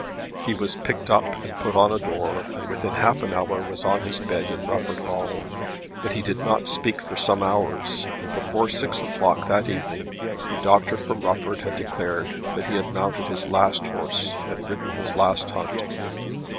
He was picked up and put on a door and within half an hour was on his bed in Rufford Hall. But he did not speak for some hours and before six o'clock that evening the doctor from Rufford had declared that he had mounted his last horse and ridden his last hunt!